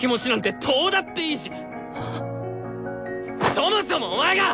そもそもお前が！